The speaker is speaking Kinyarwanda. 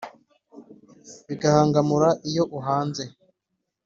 bigahangamura iyo uhanze